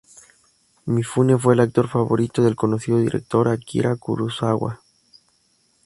Mifune fue el actor favorito del conocido director Akira Kurosawa.